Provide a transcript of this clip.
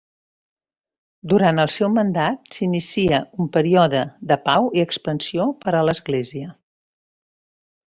Durant el seu mandat s'inicia un període de pau i expansió per a l'Església.